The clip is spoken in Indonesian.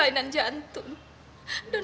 apa penyakit aisyah